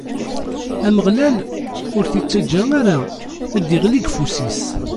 Ameɣlal ur t-ittaǧǧa ara ad d-iɣli deg ufus-is.